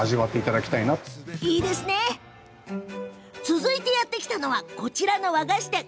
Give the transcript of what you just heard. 続いてやって来たのはこちらの和菓子店。